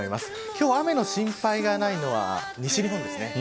今日、雨の心配がないのは西日本です。